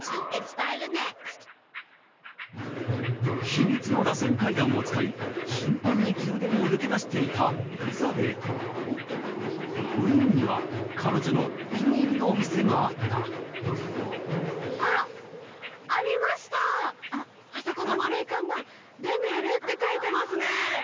秘密の螺旋階段を使い頻繁に宮殿を抜け出していたエリザベートウィーンには彼女のお気に入りのお店があったあっありましたあそこの丸い看板「ＤＥＭＥＬ」って書いてますね